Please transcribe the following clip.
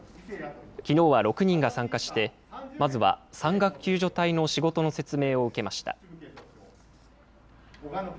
きのうは６人が参加して、まずは山岳救助隊の仕事の説明を受けました。